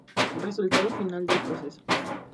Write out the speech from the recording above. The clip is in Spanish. Resultado final del proceso.